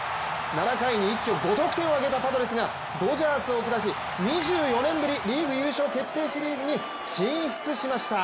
７回に一挙５得点を挙げたパドレスがドジャースを下し２４年ぶりリーグ優勝決定シリーズに進出しました。